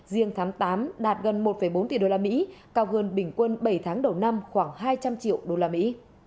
riêng tháng tám đạt gần một bốn tỷ đô la mỹ cao hơn bình quân bảy tháng đầu năm khoảng hai trăm linh triệu đô la mỹ